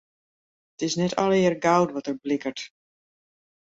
It is net allegearre goud wat der blikkert.